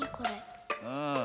うん。